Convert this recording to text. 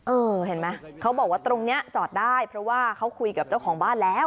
เห็นไหมเขาบอกว่าตรงนี้จอดได้เพราะว่าเขาคุยกับเจ้าของบ้านแล้ว